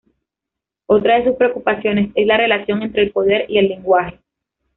Otra de sus preocupaciones es la relación entre el poder y el lenguaje.